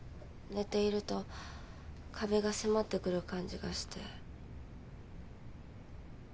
寝ていると壁が迫ってくる感じがして。